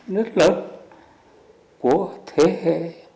rất lớn của thế hệ